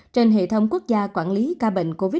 trên hệ thống quốc gia quản lý ca bệnh covid một mươi